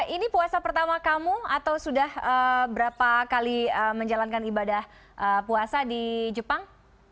ini puasa pertama kamu atau sudah berapa kali menjalankan ibadah puasa di jepang